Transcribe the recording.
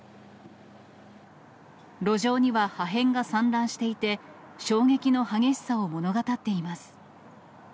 路上には破片が散乱していて、衝撃の激しさを物語っています。